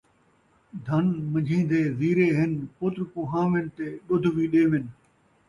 دھن من٘جھیں دے زیرے ہن ، پتر کُہاوِن تے ݙُدھ وی ݙیون